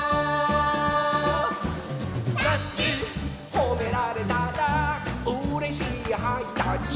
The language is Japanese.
「ほめられたらうれしいハイタッチ」